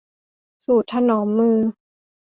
สูตรถนอมมือ